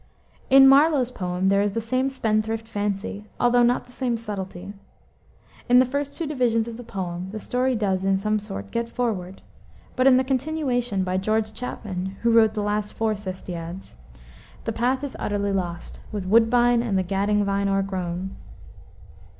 In Marlowe's poem there is the same spendthrift fancy, although not the same subtlety. In the first two divisions of the poem the story does, in some sort, get forward; but in the continuation, by George Chapman (who wrote the last four "sestiads"), the path is utterly lost, "with woodbine and the gadding vine o'ergrown."